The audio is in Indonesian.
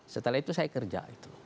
setelah itu saya kerja